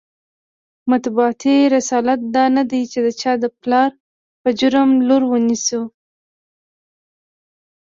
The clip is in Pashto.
مطبوعاتي رسالت دا نه دی چې د چا د پلار په جرم لور ونیسو.